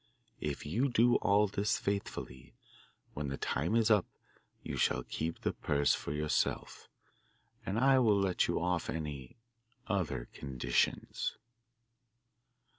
If you do all this faithfully, when the time is up you shall keep the purse for yourself, and I will let you off any other conditions.